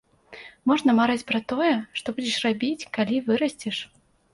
Можна марыць пра тое, што будзеш рабіць, калі вырасцеш.